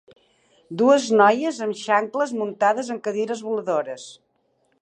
Dues noies amb xancles muntades en cadires voladores.